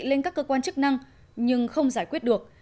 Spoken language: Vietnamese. lên các cơ quan chức năng nhưng không giải quyết được